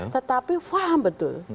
tetapi paham betul